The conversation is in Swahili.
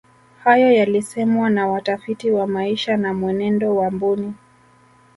hayo yalisemwa na watafiti wa maisha na mwenendo wa mbuni